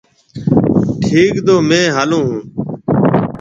ٺيڪ تو ميه هالون هون۔